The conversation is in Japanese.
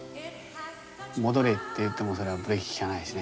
「戻れ」って言ってもそれはブレーキきかないですね。